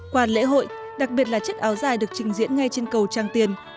qua lễ hội đặc biệt là chiếc áo dài được trình diễn ngay trên cầu tràng tiền